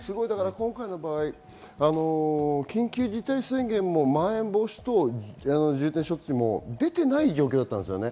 今回の場合、緊急事態宣言もまん延防止も出てない状況だったんですね。